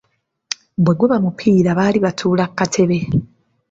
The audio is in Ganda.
Bwe guba mupiira baali batuula ku katebe.